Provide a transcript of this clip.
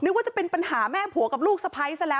ว่าจะเป็นปัญหาแม่ผัวกับลูกสะพ้ายซะแล้ว